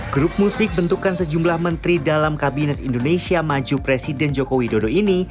grup musik bentukan sejumlah menteri dalam kabinet indonesia maju presiden joko widodo ini